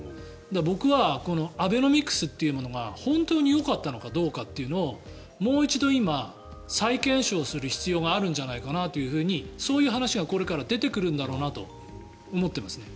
僕はアベノミクスっていうものが本当によかったのかどうかというのをもう一度今、再検証する必要があるんじゃないかなとそういう話がこれから出てくるんだろうなと思ってますね。